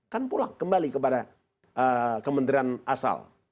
kan pulang kembali kepada kemenderian asal